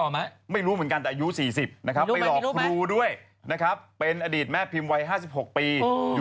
ไม่รู้เหมือนกันแต่อายุ๔๐